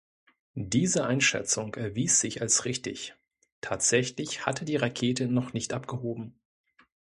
Diese Einschätzung erwies sich als richtig: Tatsächlich hatte die Rakete noch nicht abgehoben.